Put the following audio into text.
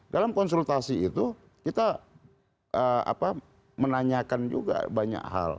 dalam konsultasi itu kita menanyakan juga banyak hal